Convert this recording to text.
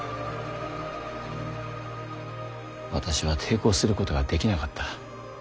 私は抵抗することができなかった。